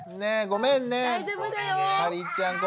ごめんね。